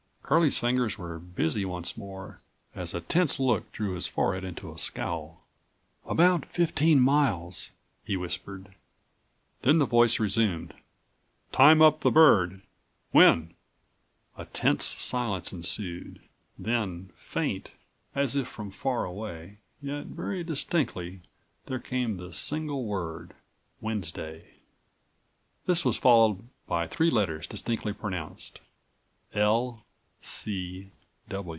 Curlie's fingers were busy once more as a tense look drew his forehead into a scowl. "About fifteen miles," he whispered. Then the voice resumed: "Time up the bird. When?" A tense silence ensued. Then, faint, as if from far away, yet very distinctly there came the single word: "Wednesday." This was followed by three letters distinctly pronounced: "L.